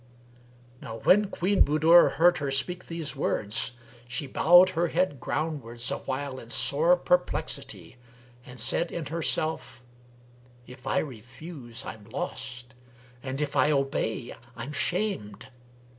"[FN#319] Now when Queen Budur heard her speak these words, she bowed her head ground wards awhile in sore perplexity and said in herself, "If I refuse I'm lost; and if I obey I'm shamed.